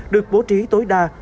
được bố trí tối đa